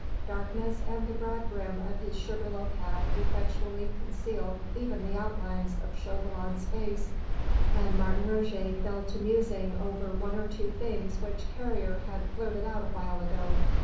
Darkness and the broad brim of his sugar loaf hat effectually concealed even the outlines of Chauvelin's face, and Martin Roget fell to musing over one or two things which Carrier had blurted out awhile ago.